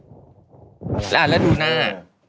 อ่ะแล้วดูหน้า